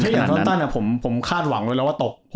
ถ้ายากฝั่งหนัวเท้าอัมตั้นผมขาดหวังด้วยแล้วจะตกเตอร์